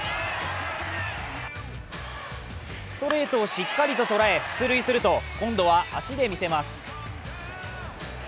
ストレートをしっかりと捉え出塁すると今度は足で見せます。